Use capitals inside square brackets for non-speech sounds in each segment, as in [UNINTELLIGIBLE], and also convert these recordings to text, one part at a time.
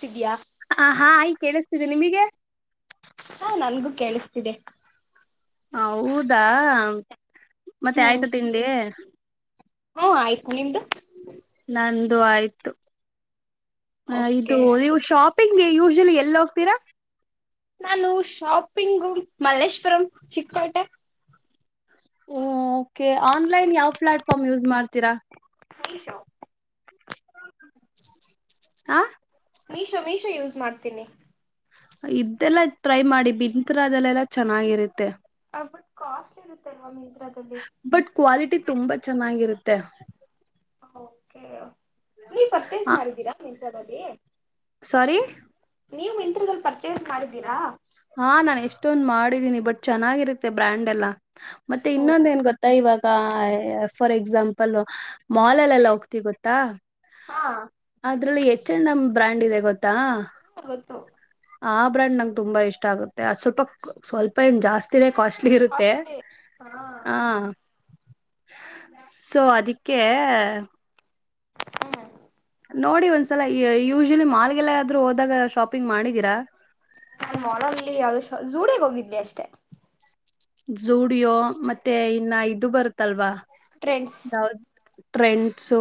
ಸಿದ್ಯಾ ಹ ಹಾ ಈ ಕೇಳಿಸ್ತಿದ್ದೀಿ ನಿಮಗೆ ಹಾ ನನ್ಗೂ ಕೇಳಿಸ್ತಿದೆ ಹೌದಾ ಮತ್ತೆ ಆಯ್ತು ತಿಂಡಿ ಹ್ಮ ಆಯ್ತು ನಿಮ್ದು ನಂದು ಆಯ್ತು ಹ ಇದು ಓಕೆ ನೀವು ಶಾಪಿಂಗ್ಗೆ ಯೂಶಲಿ ಎಲ್ಲಿ ಹೋಗ್ತೀರಾ ನಾನು ಶಾಪಿಂಗು ಮಲ್ಲೇಶ್ವುರಂ ಚಿಕ್ಪೇಟೆ ಹ ಕೆ ಆನ್ಲೈನ್ ಯಾವ್ ಪ್ಲಾಟ್ಫಾರ್ಮ್ ಯೂಸ್ ಮಾಡ್ತೀರಾ ಶೋ ಹಾ ಮೀಸ -ಮೀಸೋ ಯೂಸ್ ಮಾಡ್ತೀನಿ ಇದದೆೆಲ್ಲ ಟ್ರೈ ಮಾಡಿ ಬತ್ರ ಅದಲ್ಲೆಲ್ಲಾ ಚೆನ್ನಾಗಿರುತ್ತೆ ಬಟ್ ಕಾಸ್ಟ್ಲಿ ಇರುತ್ತೆಲ್ವಾ ಮನ್ ಬಟ್ ಕ್ವಾಲಿಟಿ ತುಂಬಾ ಚೆನ್ನಾಗಿರುತ್ತೆ ತ್ತೆ ಓಕೆ ನೀವ್ ಪರ್ಚೇಸ್ ಮಾಡಿದೀರಾ ಅಲ್ಲಿ ಗಳಲ್ಲಿ ಸೋರಿ ನೀವು ಮೈಂತ್ರದಲ್ಲಿ ಪರ್ಚೇಸ್ ಮಾಡಿದ್ದೀರಾ ಹಾ ನಾನ್ ಎಷ್ಟೊಂದ್ ಮಾಡಿದೀನಿ ಬಟ್ ಚೆನ್ನಾಗಿರುತ್ತೆ ಬ್ರ್ಯಾಂಡ್ ಎಲ್ಲ ಮತ್ತೆ ಓ ಇನ್ನೊಂದ ಏನ್ ಗೊತ್ತಾ ಇವಾಗ ಫಾರ್ ಎಕ್ ಎಕ್ಸಾಮಂಪಲ್ ಮಾಲಲ್ಲೆಲ್ಲ ಹೋಗ್ತಿ ಗೊತ್ತಾ ಹಾ ಅದರಲ್ಲಿ ಎಷ್ಟ ನಮ್ ಬ್ರಾಂಡ್ ಇದೆ ಗೊತ್ತಾ ಓ ಆ ಬ್ರ್ಯಾಂಡ್ ನಂಗೆ ತುಂಬಾ ಇಷ್ಟ ಆಗುತ್ತೆ ಅದ್ ಸ್ವಲ್ಪ ಸ್ವಲ್ಪ ಏನ್ ಜಾಸ್ತಿನೇ ಕಾಸ್ಟ್ಲಿ ಇರುತ್ತೆ ಕಾಸ್ಟ್ಲಿ ಹಾ ಹ ಸೊ ಅದಕ್ಕೆ ಹ್ಮ್ ನೋಡಿ ಒಂದ್ಸಲ ಯೂಶಲಿ ಮಾಲ್ಗೆಲ್ಲಾದ್ರೂ ಹೋದಾಗ ಶಾಪಿಂಗ್ ಮಾಡಿದೀರಾ ನಾ ಮಾಲಾಲಿ ಯಾವ ಜೋಡಿಯೋಗೆ ಹೋಗಿದ್ವಿ ಅಷ್ಟೆ ಜೋಡಿಯೋ ಮತ್ತೆ ಇನ್ನ ಇದು ಬರುತ್ತಲ್ವಾ ಟ್ರೆಂಡ್ಸ್ ಯಾವ್ದ್ ಟ್ರೆಂಡ್ಸು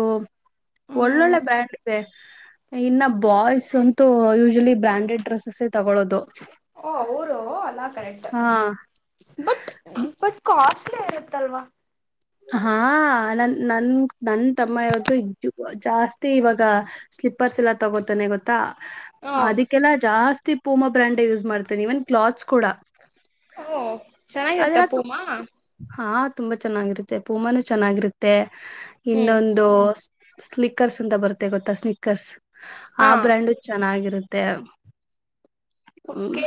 ಹ್ಮ್ ಒಳ್ಳೊಳ್ಳೆ ಬ್ರ್ಯಾಂಡ್ ಇದೆ ಇನ್ನು ಬಾಯ್ಸ್ ಅಂತೂ ಯೂಶಲಿ ಬ್ರ್ಯಾಂಡೆಡ್ ಡ್ರೆಸಸ್ ತಗೊಳೋದು ಓ ಅವರು ಅಲ್ಲಾ ಕರೆಕ್ಟ್ ಹ್ಮ ಅಷ್ಟಲೇ ಇರುತ್ತಲ್ವಾ ಹಾ ನನ್ ನನ್ ನನ್ ತಮ್ಮ ಇರತ್ತುು ಜಾಸ್ತಿ ಇವಾಗ ಸ್ಲೀಪರ್ಸ್ ಎಲ್ಲ ತಗೋತಾನೆ ಗೊತ್ತಾ ಹ ಅದಕ್ಕೆಲ್ಲಾ ಜಾಸ್ತಿ ಪೂಮಾ ಬ್ರಾಂಡ್ ಯೂಸ್ ಮಾಡ್ತೇನಿ ಇವನ್ ಕ್ಲಾತ್ಸ್ ಕೂಡ ಹ ಅದೆಲ್ಲ ತು- ಚೆನ್ನಾಗಿರ್ತಪ್ಪೂಮ್ಮಾ ಹಾ ತುಂಬಾ ಚೆನ್ನಾಗಿರುತ್ತೆ ಪೂಮಾನೂ ಚೆನ್ನಾಗಿರುತ್ತೆ ಹ್ಮ್ ಇನ್ನೊಂದು ಸ್ಲೀಕ್ಕರ್ಸ್ ಅಂತ ಬರುತ್ತೆ ಗೊತ್ತಾ ಸ್ಲಿಕ್ಕರ್ಸ್ ಆ ಹಾ ಬ್ರ್ಯಾಂಡು ಚೆನ್ನಾಗಿರುತ್ ತೆ. ಓಕೆ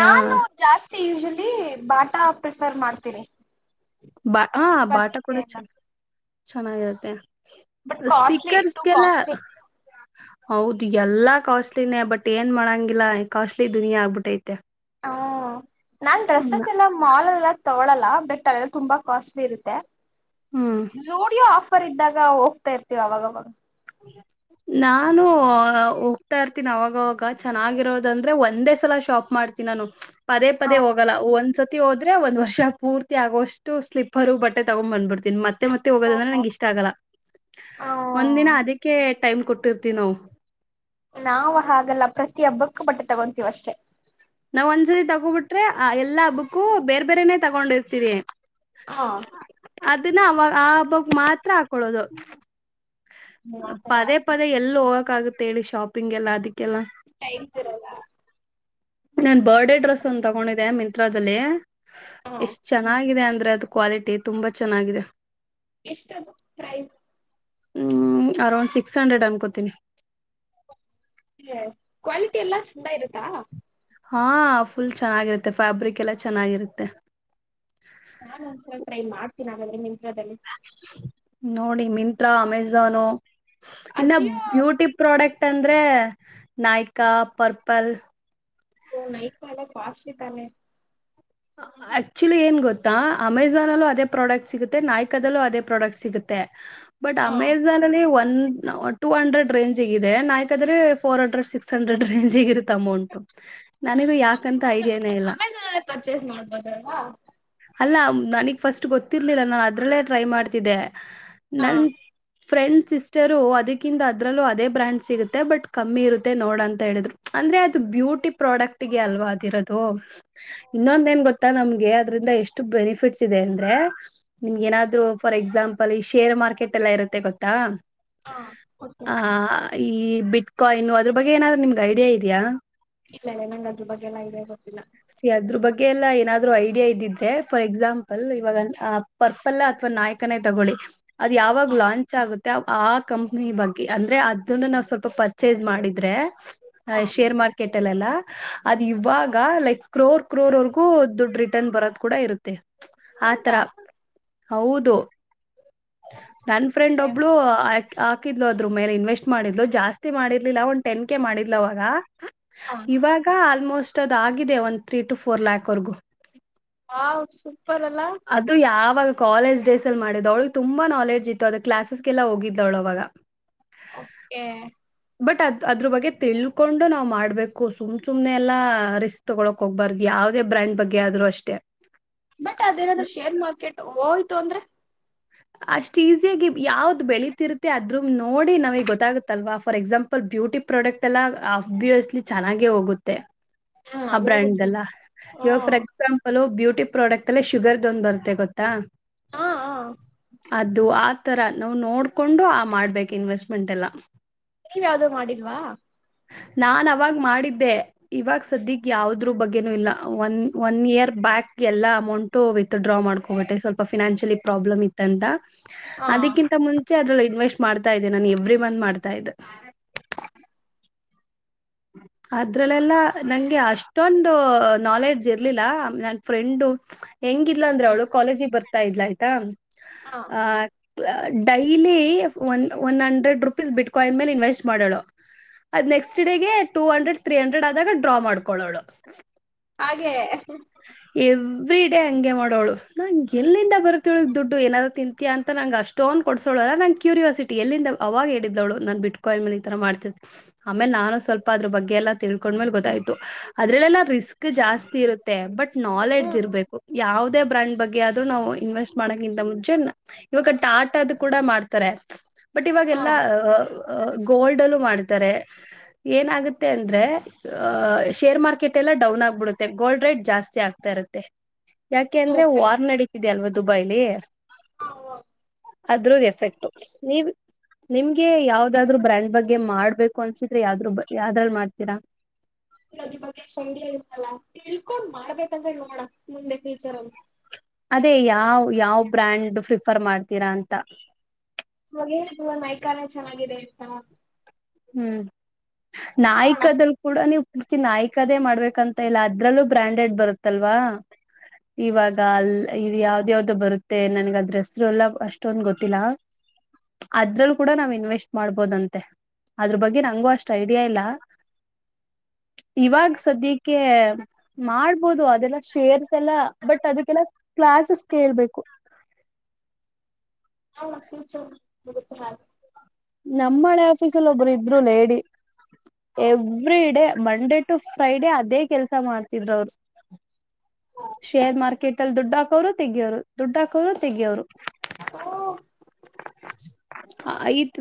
ಯಾ ನಾನು ಜಾಸ್ ತಿ ಯುಝಲೀ ಬಾಟಾ ಪ್ರಿಫರ್ ಮಾಡ್ತೀನಿ. ಬ ಹ ಬಾಟ ಸಿಲ್ಕರ್ಸ್ಗೆ ಕೊಡ ಎಲ್ಲ ಚೆನ್. ಚೆನ್ನಾಗಿರುತ್ತೆ. ಬಟ್ ಕಾಸ್ಟ್ಲಿ ಟು ಸ್ಟಿಕರ್ಸ್ಗೆಲ್ಲಾ. ಕಾಸ್ಟ್ಲಿ ಹೌದು ಎಲ್ಲಾ ಕಾಸ್ಟ್ಲಿನೇ ಬಟ್ ಏನ್ ಮಾಡಂಗಿಲ್ಲ ಕಾಸ್ಟ್ಲಿ ದುನಿಯಾ ಆಗ್ಬಿಟ್ಟೈತೆ. ಹ್ಮ ನಾನ್ ಡ್ರೆಸ್ಸಸ್ ಎಲ್ಲ ಮಾಲ್ಲ್ ಎಲ್ಲ ತೊಗೊಳಲ್ಲ ಬೆಟ್ ಅಲೆಲ್ ತುಂಬಾ ಕಾಸ್ಟ್ಲಿ ಇರುತ್ತೆ. ಹ್ಮ್ ಝುಡಿಯೋ ಆಫರ್ ಇದ್ದಾಗ ಹೋಗ್ತಾ ಇರ್ತೀವ್ ಅವಾಗವಾಗ. ನಾನು ಹೋಗ್ತಾ ಇರ್ತೀನಿ ಅವಾಗವಾಗ ಚೆನ್ನಾಗಿರೋದಂದ್ರೆ ಒಂದೇ ಸಲ ಶಾಪ್ ಮಾಡ್ತೀಣ್ ನಾನು. ಪದೇ ಹಾ ಪದೇ ಹೋಗಲ್ಲ ಒಂದ್ಸತ್ ತಿ ಹೋದ್ರೆ ಒಂದ್ ವರ್ಷ ಪೂರ್ತಿ ಆಗೊವಷ್ಟು ಸ್ಲೀಪರು ಬಟ್ಟೆ ತಗೊಂಡ್ ಬಂದ್ಬುಡ್ತಿನ್ ಮತ್ತೆ ಮತ್ತೆ ಮತ್ತೆ ಹೋಗೋದಂದ್ರೆ ಓ ನಂಗೆ ಇಷ್ಟ ಆಗಲ್ಲ ಒಂದಿನ ಹ್ಮ ಅತ್ ಎ ಟೈಮ್ ಕೊಟ್ಟಿರ್ತಿವ್ ನಾವು. ನಾವ್ ಹಾಗಲ್ಲ ಪ್ರತಿ ಹಬ್ಬಕ್ಕೂ ಬಟ್ಟೆ ತಗೊಂತೀವ್ ಅಷ್ಟೇ. ನಾವ್ ಒಂದ್ ಸತಿ ತಗೋಬಿಟ್ರೆ ಆ ಎಲ್ಲಾ ಹಬ್ಬಕ್ಕೂ ಬೇರ್ ಬೇರನೆ ತಗೊಂಡಿರ್ತೀರಿ. ಹಾ ಅದನ್ನ ಅವ ಆ ಬಕ್ ಮಾತ್ರ ಹಾಕೊಳೋದು. ಆತರ ಪದೇ ಪದೇ ಎಲ್ಲೊಗಾಕ್ ಕಾಗುತ್ ಹೇಳಿ ಶಾಪಿಂಗ್ ಎಲ್ಲ ಅದಕ್ ಟೈಮ್ ತಿರೊಲ್ಲ. ನನ್ ಬರ್ಡೇ ಡ್ರೆಸ್ ಒನ್ ತಗೊಂಡಿದೆ ಮಿಂತ್ರಾದಲ್ಲಿ. ಹಾ ಎಷ್ಟ್ ಚೆನ್ನಾಗಿದೆ ಅಂದ್ ಅದ್ ಕ್ವಾಲಿಟಿ ತುಂಬಾ ಚೆನ್ನಾಗಿದೆ. ಎಷ್ಟದು ಪ್ರೈಸ್. ಹ್ಮ್ ಅರೌಂಡ್ ಸಿಕ್ಸ್ ಹಂಡ್ರೆಡ್ ಅನ್ಕೋತೀನಿ. ಹ ಕ್ವಾಲಿಟಿ ಎಲ್ಲಾ ಛಂದ ಇರುತ್ ತ. ಹಾ ಫುಲ್ ಚೆನ್ನಾಗಿರುತ್ತೆ ಫ್ಯಾಬ್ರಿಕ್ ಎಲ್ಲ ಚೆನ್ನಾಗಿರುತ್ತೆ. ನಾನ್ ಒಂದ್ಸಲ ಟ್ರೈ ಮಾಡ್ ತಿನ್ ಆಗದ್ರೆ ನಿಮ್ [UNINTELLIGIBLE] ನೋಡಿ ಮಿಂತ್ರಾ ಅಮೆಜಾನೋ ಇನ್ನ ಅಜಿಯೋ ಬ್ಯೂಟಿ ಪ್ರೊಡಕ್ಟ್ ಅಂದ್ರೆ ನಾಯ್ಕಾ ಪರ್ಪಲ್ ಹ ನೈಟ್ ಮೇಲ್ಲ ಕಾಸ್ಟ್ಲಿ ತಾನೆ ಆಕ್ಚುಲಿ ಏನ್ ಗೊತ್ತಾ ಅಮೆಝನ್ ಅಲ್ಲೂ ಅದೇ ಪ್ರಾಡಕ್ಟ್ ಸಿಗುತ್ತೆ ನಾಯ್ಕದಲ್ಲೂ ಅದೇ ಪ್ರಾಡಕ್ಟ್ ಸಿಗುತ್ತೆ ಬಟ್ ಹಾ ಅಮೆಜಾನ್ ಅಲ್ಲಿ ಒನ್ ಟೂ ಹಂಡ್ರೆಡ್ ರೇಂಜ್ಗ ಇದೆ ನಾಯ್ಕಾದ್ರೆ ಫೋರ್ ಹಂಡ್ರೆಡ್ ಸಿಕ್ಸ್ ಹಂಡ್ರೆಡ್ ರೇಂಜ್ಗ ಇರುತ್ತೆ. ಅಮೌಂಟ ನನಗೂ ಯಾಕಂತ ಅಮೆಜಾನ್ ಐಡಿಯಾನೇ ಇಲ್ಲ. ದತಾ ಅಲ್ಲ ನನಗ್ ಫಸ್ಟ್ ಗೊತ್ತಿರ್ಲಿಲ್ಲ ನಾನನ್ ಅದ್ರಲ್ಲೇ ಟ್ರೈ ಮಾಡ್ತಿದ್ದೆ. ಹಾ ನನ್. ಫ್ರೆಂಡ್ ಸಿಸ್ಟರು ಅದಕ್ಕಿಂತ ಅದ್ರಲ್ಲೂ ಅದೇ ಬ್ರ್ಯಾಂಡ್ ಸಿಗುತ್ತೆ ಬಟ್ ಕಮ್ಮಿ ಇರುತ್ತೆ ನೋಡ ಅಂತ ಹೇಳಿದ್ರು ಅಂದ್ರೆ ಅದು ಬ್ಯೂಟಿ ಪ್ರಾಡಕ್ಟ್ಗೆ ಅಲ್ವಾ ಅದಿರೋದು ಇನ್ನೊಂದು. ನ್ ಗೊಾ ನಮ್ಗೆ ಅದ್ರಿಂದ ಎಷ್ಟು ಬೆನಿಫಿಟ್ಸ್. ದೆ ಅಂದ್ರೆ ನಿಮ್ಗೆ ಏನಾದ್ರು ಫಾರ್ ಎಕ್ಸಾಂಪಲ್. ಪಲೇಶಿ. ಶೇರ್ ಮಾರ್ಕೆಟ್ ಎಲ್ಲ ಇರುತ್ತೆ ಗೊತ್ತಾ. ಹಾ ಓಕೆ ಈ ಬಿಟ್ಕಾಯಿನು ಅದ್ರ ಬಗ್ಗೆ ಏನಾದ್ರು ನಿಮ್ಗೆ ಐಡಿಯಾ ಇದೆಯಾ. ಇಲ್ಲ ಇಲ್ಲ ನಂಗ್ ಅದ್ರ ಬಗ್ಗೆ ಎಲ್ಲ ಐಡಿಯಾ ಗೊತ್ತಿಲ್ಲ. ಸಿ ಅದ್ರ ಬಗ್ಗೆ ಎಲ್ಲಾ ಏನಾದ್ರು ಐಡಿಯಾ ಇದಿದ್ರೆ ಫಾರ್ ಎಕ್ಸಾಂಪಲ್ ಇವಾಗ ಆ ಪರ್ಪಲ್ ಅಥ್ವಾ ನಾಯ್ಕನೇ ತಗೊಳ್ಳಿ. ಅದ್ ಯಾವಾಗ ಹಾ ಲಾಂಚ್ ಆಗುತ್ತೆ. ಆ ಕಂಪ್ನಿ ಬಗ್ಗೆ ಅಂದ್ರೆ ಅದನ್ನು ನಾವ್ ಸ್ವಲ್ಪ ಪರ್ಚೇಸ್ ಮಾಡಿದ್ರೆ. ಹ ಹಾ ಶೇರ್ ಮಾರ್ಕೆಟ್. ಲ್ಲ ಅದು ಇವಾಗ ಲೈಕ್. ಕ್ರೋರ್ ಕ್ರೋರ್ವರ್ಗೂ ದುಡ್ ರಿಟರ್ನ್ ಬರೋದ್ ಕೂಡ ಇರುತ್ತೆ. ಆತರ ಹೌದಾ. ಹೌದು. ನನ್ ಫ್ರೆಂಡ್ ಒಬ್ಳು ಹಾಕಿದ್ಲುದ. ಮೇಲೆ ಇನ್ವೆಸ್ಟ್ ಮಾಡಿದ್ಲು ಜಾಸ್ತಿ ಮಾಡಿರ್ಲಿಲ್ಲ ಒಂದ್ ಟೆನ್ ಕೆ ಮಾಡಿರ್ಲ ಅವಾಗ. ಹಾ ಇವಾಗ. ಆಲ್ಮೋಸ್ಟ್ ಅದು ಆಗಿದೆ ಒಂದು. ತ್ರೀ ಟು ಫೋರ್ ಲ್ಯಾಕ್ ವರೆಗೂ. ಹಾ ಸೂಪರ್ ಅಲ್ಲ. ಅವಾಗ ಕಾಲೇಜ್ ಡೇಸ್ ಅ ಮಾಡಿದ್ ಅವ್ಳ ತುಂಬಾ ನಾಲೆಜ್ ಇತ್ತು ಅದ ಕ್ಲಾಸಸ್ಗೆಲ್ಲ ಹೋಗಿದ್ದವಳ ಅವಾಗ. ಓಕೆ. ಬಟ್ ಅದ್ ಅದ್ರ ಬಗ್ಗೆ ತಿಳ್ಕೊಂಡು ನಾವ್ ಮಾಡ್ಬೇಕು ಸುಮ್ ಸುಮ್ನೆ ಎಲ್ಲ ರಿಸ್ ತಗ. ಕೊಬ್ಬರ್ದು ಯಾವವುದೇ ಬ್ರಾಂಡ್ ಬಗ್ಗೆ ಆದ್ರೂ ಅಷ್ಟೇ. ಬಟ್ ಅದೇನಾದ್ೂ ಶೇರ್ ಮಾರ್ಕೆಟ್ ಹೋಯ್ತ. ತಂದ್ರೆ. ಅಷ್ಟ್ ಈಸಿಯಾಗಿ ಯಾವ್ದ್ ಬೆಳೀತಿರುತ್ತೆ ಅದ್ರ ನೋಡಿ ನಮಗ್ ಗೊತ್ತಾಗುತ್ತಲ್ವಾ ಫಾರ್ ಎಕ್ಸಾಂಪಲ್ ಬ್ಯೂಟಿ ಪ್ರಾಡಕ್ಟ್ ಎಲ್ಲ ಅಬ್ಬಿಯಸ್ಲಿ ಚೆನ್ನಾಗೆ ಹೋಗುತ್ತೆ. ಹ್ಮ್ ಆ ಅದೋಗುತ್ತೆ ಬ್ರ್ಯಾಂಡ್ಲ್ಲ ಹ್ಮ್ ಇವಾಗ ಫಾರ್ ಎಕ್ಸಾಂಪಲ್ ಬ್ಯ. ಿ ಪ್ರಾಡಕ್ಟ್ ಅಲ್ಲೇ ಶುಗರ್ ದೊಂದ್ ಬರುತ್ತೆ ಗೊತ್ತಾ. ಹಾ ಹಾ ಅದು ಆ. ಆ ತರ ನಾವವು ನೋಡ್ಕೊಂಡು ಆ ಮಾಡ್ಬೇಕು ಇನ್ವೆಸ್ಟ್ಮೆಂಟ್ ಎಲ್ಲ. ನೀವ ಯಾವ್ದೋ ಮಾಡಿಲ್ವಾ ನಾನ್ ಅವಾಗ ಮಾಡಿದ್ದೆ ಇವಾಗ ಸದ್ಯಕ್ ಯಾವದ್ರ ಬಗ್ಗೆನೂ ಇಲ್ಲ ಒನ್ ಒನ್ ಇಯರ್ ಬ್ಯಾಕ್ ಎಲ್ಲ ಅಮೌಂಟು ವಿತ್ಡ್ರಾ ಮಾಡ್ಕೊಬಿಟ್ಟೆ ಸ್ವಲ್ಪ ಫಿನಾನ್ಷಿಯಲಿ ಪ್ರಾಬ್ಲಮ್ ಇತ್ತಂತ ಹಾ ಅದಕ್ಕಿಂತ ಮುಂಚೆ ಅದ್ ಇನ್ವೆಸ್ಟ್ ಮಾಡ್ತಾ ಇದ್ದೆ ನಾನು ಎವ್ರಿ ಮಂತ್ ಮಾಡ್ತಾ ಇದ್ದೆ ಅದ್ರಲ್ಲೆಲ್ಲ ನಂಗೆ ಅಷ್ಟೊಂದು ನಾಲೆಡ್ಜ್ ಇರ್ಲಿಲ್ಲ ನನ್ ಫ್ರೆಂಡು ಹೆಂಗಿದ್ಲು ಅಂದ್ರೆ ಹ್ಮ್ ಅವಳು ಕಾಲಜಿಗೆ ಬರ್ ತಾ ಇದ್ಲೈತ ಹಾ ಆ ಡೈಲಿ ಒ one hundred rupees bitcoin ಮೇಲೆ ಇನ್ವೆಸ್ಟ್ ಮಾಡೋಳು ಅದ್ next day two hundred three hundred ಆದಾಗ ಡ್ರಾ ಮಾಡ್ಕೊಳ್ಳೋಳು ಹಾಗೆ ಎವ್ರಿ ಡೇ ಹಂಗೆ ಮಾಡೋಳು ನಂ ಎಲ್ಲಿಂದ ಬರುತ್ ಇವ್ಳಿಗ್ ದುಡ್ಡು ಏನಾದ್ರು ತಿಂತಿಯ ಅಂತ ನಂ ಅಷ್ಟೊನ್ ಕೊಡ್ಸೋಳು ಅಲ್ಲ ನಂಗ್ ಕ್ಯೂರಿಯಾಸಿಟಿ ಎಲ್ಲಿಂದ ಅವಾಗ ಹೇಳಿದ್ದವಳು ನಾನ್ ಬಿಟ್ಕೋಯಿನ್ ಮೇಲೆ ಈ ತರ ಮಾಡ್ತಿದ್ದ್ ಆಮೇಲೆ ನಾನು ಸ್ವಲ್ಪ ಅದ್ರ ಬಗ್ಗೆಲ್ಲ ತಿಳ್ಕೊಂಡ್ಮೇಲೆ ಗೊತ್ತಾಯ್ತು ಅದ್ರಲ್ಲೆಲ್ಲಾ ರಿಸ್ಕ್ ಜಾಸ್ತಿ ಇರುತ್ತೆ ಬಟ್ ನಾಲೆಡ್ಜ್ ಹ್ಮ್ ಇರ್ಬೇಕು ಯಾವದೇ ಬ್ರಾಂಡ್ ಬಗ್ಗೆ ಆದ್ರೂ ನಾವು ಇನ್ವೆಸ್ಟ್ ಮಾಡಕ್ಕಿಂತ ಮುಂಚೆ ಇವಾಗ ಟಾಟದು ಕೂಡ ಮಾಡ್ತಾರೆ ಬಟ್ ಹಾ ಇವಾಗೆಲ್ಲಹ್ ಹ್ ಗೋಲ್ಡ್ಲ್ಲೂ ಮಾಡ್ತಾರೆ ಏನಾಗುತ್ತೆ ಅಂದ್ರೆ ಅಹ ಶೇರ್ ಮಾರ್ಕೆಟ್ ಎಲ್ಲ ಡೌನ್ ಆಗ್ಬಿಡುತ್ತೆ ಗೋಲ್ಡ್ ರೇಟ್ ಜಾಸ್ತಿ ಆಗ್ತಾ ಇರುತ್ತೆ ಯಾಕೆ ಅಂದ್ರೆ ಸೂಪರ್ ವಾರ್ ನಡಿತ್ ಲ್ವದು ದುಬೈಲಿ ಹ ಅದ್ರದ ಎಫೆಕ್ಟ್ ನೀವ ನಿಮ್ಗೆ ಯಾವ್ದಾದ್ರು ಬ್ರ್ಯಾಂಡ್ ಬಗ್ಗೆ ಮಾಡ್ಬೇಕು ಅನ್ಸಿದ್ರೆ ಯಾವ ಯಾವ್ದ್ರಲ್ ಮಾಡ್ತೀರಾ ನನ್ ಬಗ್ಗೆ [UNINTELLIGIBLE] ಕಲ್ಕೊಂಡ್ ಮಾಡ್ಬೇಕಂದ ಹೇಳಿ ನೋಡ ಮುಂದೆ ಫ್ಯೂಚರ್ ಅಲ್ಲಿ ಅದೇ ಯಾವ ಯಾವ ಬ್ರ್ಯಾಂಡ್ ಪ್ರಿಫರ್ ಮಾಡ್ ಸೀರಾಂತ ಅವಾಗ್ ಹೇಳಿದ್ರ್ ನೈಕಾನೆ ಚೆನ್ನಾಗಿದೆ ಅಂತ ಹ್ಮ್ ನಾಯಕಾದರು ಕೂಡ ನೀವು ತ್ತ ನಾಯ್ಕದೇ ಮಾಡ್ಬೇಕಂತ ಇಲ್ಲ ಅದ್ರಲ್ಲೂ ಬ್ರಾಂಡೆಡ್ ಬರುತ್ತಲ್ವಾ ಇವಾಗ ಅಲ್ ಯಾವ್ದ ಯಾವ್ದು ಬರುತ್ತೆ ನನ್ಗ ಆದ್ರೆಸ್ರು ಎಲ್ಲ ಅಷ್ಟೊಂದ ಗೊತ್ತಿಲ್ಲ ಅದ್ರಲ್ ಕೂಡ ನಾವ್ ಇನ್ವೆಸ್ಟ್ ಮಾಡ್ಬೋದಂತೆ ಅದ್ರ ಬಗ್ಗೆ ನಂಗು ಅಷ್ಟ ಐಡಿಯಾ ಇಲ್ಲ ಇವಾಗ್ ಸದ್ಯಕ್ಕೆ ಮಾಡ್ಬೋದು ಅದೆಲ್ಲ ಶೇರ್ಸ್ ಎಲ್ಲ ಬಟ್ ಅದಕ್ಕೆಲ್ಲಾ ಕ್ಲಾಸಸ್ ಕೇಳ್ಬೇಕು ಹಲ್ಲ ಫ್ಯೂಚರ್ ಹತ ಹಾ ನಮ್ಮಳೆ ಆಫೀಸಲ್ಲಿ ಒಬ್ರು ಇದರು ಲೇಡಿ ಅದು ಎವ್ರಿಡೇ ಮಂಡೇ ಟು ಫ್ರೈಡೆ ಅದೇ ಕೆಲ್ಸ ಮಾಡ್ತಿದ್ರು ಅವರು ಶೇರ್ ಮಾರ್ಕೆಟ್ ಅಲ್ಲಿ ದುಡ್ಡ ಹಾಕೋರು ತೆಗೋರು ದುಡ್ಡ ಹಾಕೋರು ತೆೆಗೆಯೋರು ಹೌದು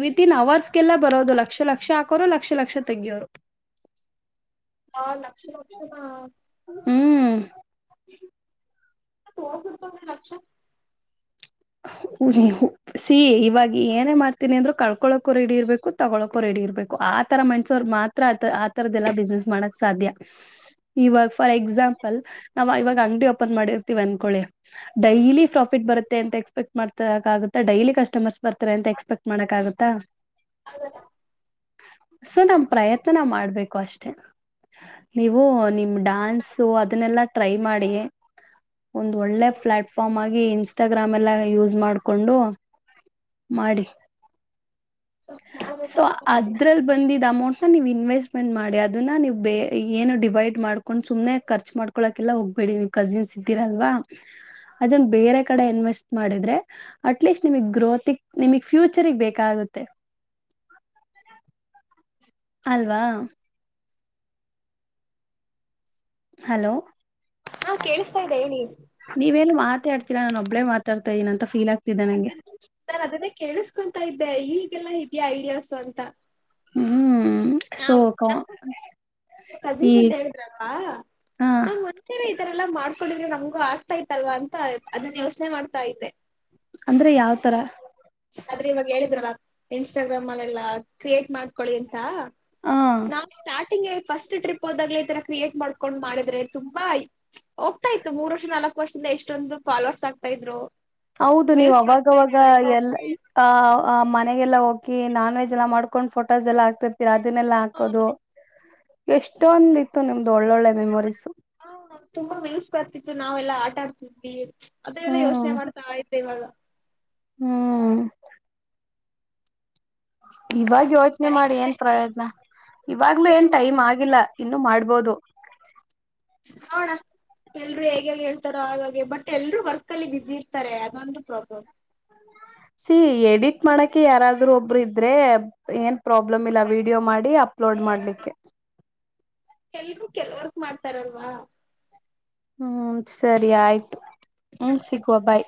ವಿತ್ ಇನ್ ಅವರ್ಸ್ಗೆಲ್ಲ ಬರೋದು ಲಕ್ಷ ಲಕ್ಷ ಹಾಕೋರು ಲಕ್ಷ ಲಕ್ಷ ತೆಗಿಯೋರು ಆ ಲಕ್ಷ ಲಕ್ಷಣ ಹ್ಮ್ [UNINTELLIGIBLE] ಲಕ್ಷ ನೀ ಸಿ ಇವಾಗ ಏನೇ ಮಾಡ್ತೀನಿ ಅಂದ್ರರು ಕಳ್ಕೊಳಕೋ ರೆಡಿ ಇರ್ಬೇಕು ತಗೊಳಕೋ ರೆಡಿ ಇರ್ಬೇಕು ಆತರ ಮಣಸೋರು ಮಾತ್ರ ಆತರದ್ದಲ್ಲ ಬಿಸ್ನೆಸ್ ಮಾಡಕ್ ಸಾಧ್ಯ ಇವಾಗ ಫಾರ್ ಎಕ್ಸಾಂಪಲ್ ನಾವ ಇವಾಗ ಅಂಗಡಿ ಓಪನ್ ಮಾಡಿರ್ತಿೀವಿ ಅಂದಕೊಳ್ಳಿ ಡೈಲಿ ಪ್ರಾಫಿಟ್ ಬರುತ್ತೆ ಅಂತ. [UNINTELLIGIBLE] ಮಾಡ ಡಲಿ ಕಸ್ಟಮರ್ಸ್ ಬರ್ತ ಅಂತ ಅಕ್ಸೆಪ್ಟ್ ಮಾಡಕ್ಕಾಗುತ್ತಾ, ಅದಲ್ಲ ಸೋ ನಮ್ ಪ್ರಯತ್ನ ನಾವು ಮಾಡಬೇಕು ಅಷ್ಟೇ, ನೀವು ನಿಮ್ ಡಾನ್ಸ್ ಅದನ್ನೆಲ್ಲ ಟ್ರೈ ಮಾಡಿ ಒಂದು ಒಳ್ಳೆ ಪ್ಲಾಟ್ಫಾರ್ಮ್ ಹಾಗೆ ಇನ್ಸ್ಟಾಗ್ರಾಮ್ ಎಲ್ಲಾ ಯಸ್ ಮಾಡಕೊಂಡು ಮಾಡಿ. ಮಾಡ್ಬೇಕು ಸೊ ಅನ್ಕೋತಿದ್ದೀನಿ ಅದ್ರಲ್ಲಿ ಬಂದಿದ್ದ. ಇಷ್ಟ ಅಮೌಂಟ್ ನ ನೀವು್ ಇನ್ವೆಸ್ಟ್ಮೆಂಟ್ ಮಾಡಿ ಅದನ್ನ ನೀವು ಬೇ ಏನು ಡಿವೈಡ್ ಮಾಡ್ಕೊಂಡು ಸುಮ್ನೆ ಖರ್ಚು ಮಾಡ್ಕೊಳಕಲ್ಲ ಹೋಗ್ಬೇಡಿ ನೀವು್ ಕಸಿನ್ಸ್ ಇದ್ದೀರಲ್ವಾ ಅದನ್ ಬೇರೆ ಕಡೆ ಇನ್ವೆಸ್ಟ್. ಮಾಡಿದ್ರೆ ಅಟ್ಲಿಸ್ಟ್ ನಿಮಗ್ ಗ್ರೋತಿಕ್ ನಿಮಗ್ ಫ್ಯೂಚರ್ಗ್ ಬೇಕಾಗುತ್ತೆ. ಅಲ್ವಾ ಹಲೋ- ಹಾ ಕೇಳಿಸ್ತಾ ಇದ್ದ ಹೇಳಿ ಇಲ್ಲ ನು ಒಬ್ಬೇ ಮಾತಾ ಇದನ ಅ ಫಲ್ ಆಗ್ ನಾನು ಅದನ್ನೇ ಕೇಳಿಸ್ಕೊತಾ ಇದ್ದಿ. ಈ ಹೀಗೆಲ್ಲ ಇದಿಯಾ ಆಐಡಿಯ ಸ ಅಂತ. ಹ್ಮ್ ಸೋ [UNINTELLIGIBLE] ಕಜಿನ್ಸ್ ಅಂತ ಹೇಳಿದ್ರಲ್ವಾ ಹ ನಾ್ [UNINTELLIGIBLE] ಈತರ ಎಲ್ಲಾ ಮಾಡ್ಕೊಂಡಿದವು ನಮ್ಗೂ ಆಗ್ತಾ ಇತ್ತಲ್ವಾ ಅಂತ ಅದನ್ನ ಯೋಚನೆ ಮಾಡ್ತಾ ಇದೆ. ಅಂದ್ರೆ ಯಾವ್ತರ. ಆದ್ರೆ ಇವಾಗ ಹೇಳಿದ್ರಲ್ಲ. ಇನ್ಸ್ಟಾಗ್ರಾಮ್ ಅಲ್ಲೆಲ್ಲ ಕ್ರಿಯೇಟ್ ಮಾಡ್ಕೊಳ್ಳಿ ಅಂತ. ಹ ನಾವು ಸ್ಟಾರ್ಟಿಂಗ್ ಫಸ್ಟ್ ಟ್ರಿಪ್ ಹೋದಾಗ್ಲ ಈ ತರ ಕ್ರಿಯೇಟ್ ಮಾಡ್ಕೊಂಡ್ ಮಾಡಿದ್ರೆ ತುಂಬಾ ಹೋಗ್ತಾ ಇತ್ತು ಮೂರ್ ವರ್ಷ ನಾಲ್ಕು ವರ್ಷದಿಂದ ಎಷ್ಟೊಂದು ಫಾಲೋವರ್ಸ್ ಆಗ್ತಾ ಇದ್ರು. ಹೌದು ನೀವು ವ್ಯೂಸ್ ಬರ್ತಾ ಅವಾಗವಾಗ ಎಲ್ಲ ಇತ್ತು ಆಹ್ ಆ ಮನೆಗೆಲ್ಲ ಹೋಗಿ ನಾನ್ ವೆಜ್ ಎಲ್ಲ ಮಾಡ್ಕೊಂಡ್ ಫೋಟೋಸ್ ಎಲ್ಲ ಆಗ್ತಿರ್ತೀರ ಅದನ್ನೆಲ್ಲಾ ಹಾಕೋದು. ಇಷ್ಟೊಂದು ಇತ್ತು ನಿಮ್ದ ಒಳ್ಳಳ್ಳ ಮೆಮೊರೀಸು. ಹ ತುಂಬಾ ವ್ಯೂಸ್ ಬರ್ತಿತ್ತು ನಾವೆಲ್ಲಾ ಆಟ ಆಡ್ತಿದ್ವಿ. ಅದೆಲ್ಲ ಯೋಚನೆ ಹ್ಮ್ ಮಾಡ್ತಾ- ಇವಾಗ ಹ್ಮ್ ಇವಾಗ ಯೋಚನೆ ಸರಿ ಮಾಡಿ ಮತ್ತೆ ಏನ್ ಪ್ರಯೋಜನ ಇವಾಗ್ಲುೂ ಏನು ಏನ್ ಮಾಡ ಟೈಮ್ ಆಗಿಲ್ಲ ಇನ್ನು ಮಾಡ್ಬೋದು. ನೋಣ [INAUDIBLE] ಎಲ್ರು ಹೇಗ್ ಹೇಗ್ ಹೇಳ್ತಾರೋ ಹಾಗಾಗೆ ಬಟ್ ಎಲ್ರು ವರ್ಕ್ ಅಲ್ಲಿ ಬಿಸಿ ಇರ್ತಾರೆ ಅದೊಂದು ಪ್ರಾಬ್ಲಮ್. ಸಿ ಎಡಿಟ್ ಮಾಡಕೆ ಯಾರಾದ್ರೂ ಒಬ್ರು ಇದ್ರೆ ಏನ್ ಪ್ರಾಬ್ಲಮ್ ಇಲ್ಲ ವೀಡಿಯೋ ಮಾಡಿ ಅಪ್ಲೋಡ್ ಮಾಡ್ಲಿಕ್ಕೆ. ಎಲ್ರು ಕೆಲ್ವರ್ಕ್ ಮಾಡ್ತಾರಲ್ವಾ? ಹ್ಮ್ ಸರಿ ಆಯ್ತು ಹ್ಮ್ ಸಿಗುವ ಅನ್ಸಲ್ಲ ಬಾಯ್.